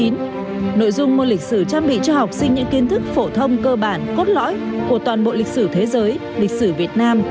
nội dung môn lịch sử trang bị cho học sinh những kiến thức phổ thông cơ bản cốt lõi của toàn bộ lịch sử thế giới lịch sử việt nam